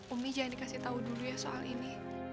umi jangan dikasih tahu dulu ya soal ini